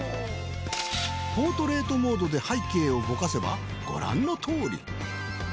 ポートレートモードで背景をぼかせばご覧のとおり。